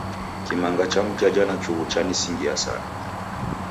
Kimanga cha mjaja na chughu chanisingiaa sana.